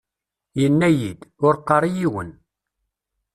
Yenna-iyi-d: Ur qqar i yiwen.